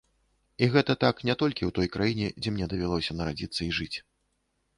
І гэта так не толькі ў той краіне, дзе мне давялося нарадзіцца і жыць.